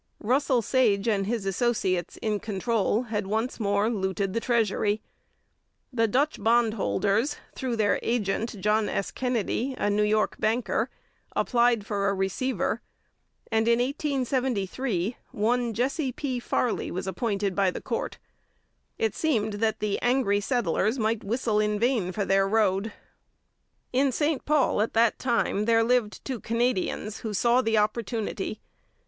Russell Sage and his associates in control had once more looted the treasury. The Dutch bondholders, through their agent, John S. Kennedy, a New York banker, applied for a receiver, and in 1873 one Jesse P. Farley was appointed by the court. It seemed that the angry settlers might whistle in vain for their road. In St Paul at that time there lived two Canadians who saw the opportunity.